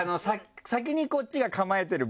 先にこっちが構えてる分ね